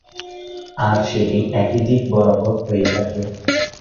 আর সেটি একই দিক বরাবর হয়ে থাকে।